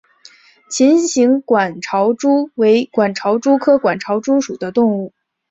琴形管巢蛛为管巢蛛科管巢蛛属的动物。